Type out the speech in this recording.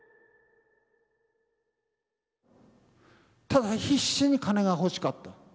ただ必死に金が欲しかった。